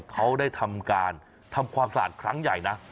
เขาได้ทำการทำความสะอาดครั้งใหญ่นะ